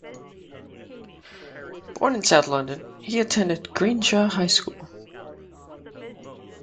Born in south London, he attended Greenshaw High School.